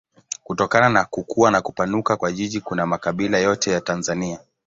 Kutokana na kukua na kupanuka kwa jiji kuna makabila yote ya Tanzania.